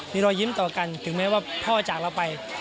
มีรอยยิ้มต่อกันถึงแม้ว่าพ่อจากเราไป